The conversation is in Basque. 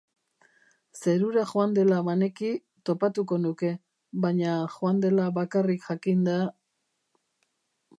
Zerura joan dela baneki, topatuko nuke, baina joan dela bakarrikjakinda...